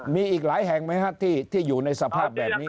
มีอีกหลายแห่งไหมครับที่อยู่ในสภาพแบบนี้